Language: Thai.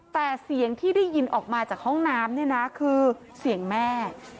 แต่เสียงที่ได้ยินออกมาจากห้องน้ำเนี่ยนะคือเสียงแม่